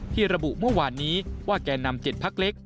ระบุเมื่อวานนี้ว่าแก่นำ๗พักเล็ก